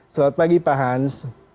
selamat pagi pak hans